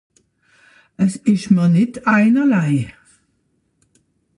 Es ìsch mìr nìtt einerlei.